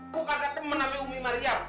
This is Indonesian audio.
gue kakak temen sama umi mariam